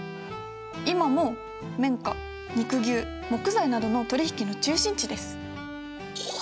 今も綿花肉牛木材などの取り引きの中心地です。